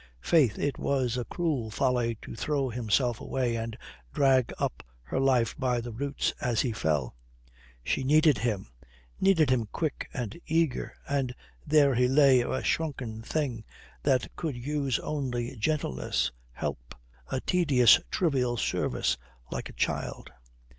Faith, it was a cruel folly to throw himself away and drag up her life by the roots as he fell. She needed him needed him quick and eager, and there he lay, a shrunken thing that could use only gentleness, help, a tedious, trivial service like a child.